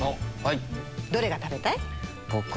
どれが食べたい？